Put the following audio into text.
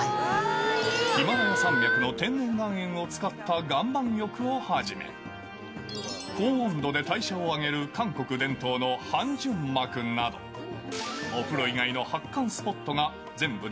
ヒマラヤ山脈の厳選した天然岩塩を使った岩盤浴をはじめ、高温度で代謝を上げる韓国伝統の汗蒸幕など、お風呂以外の発汗ス